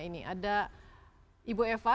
ini ada ibu eva